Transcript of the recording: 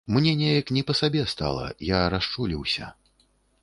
Мне неяк не па сабе стала, я расчуліўся.